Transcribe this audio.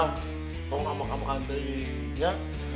bah tolong ambak ambak aja ya